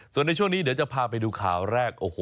ส่วนลงไปที่ช่วงนี้เดี๋ยวจะพาไปดูข่าวแรก